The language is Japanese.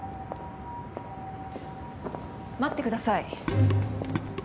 待ってください。